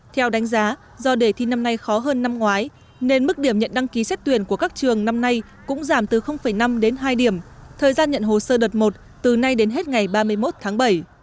theo đánh giá do đề thi năm nay khó hơn năm ngoái nên mức điểm nhận đăng ký xét tuyển của các trường năm nay cũng giảm từ năm đến hai điểm thời gian nhận hồ sơ đợt một từ nay đến hết ngày ba mươi một tháng bảy